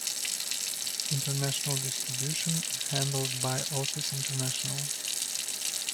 International distribution is handled by Oasis International.